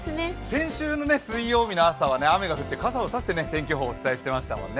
先週の水曜日の朝は雨が降って、傘を差して天気予報、お伝えしましたもんね